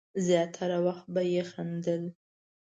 زیاتره وخت به یې خندل.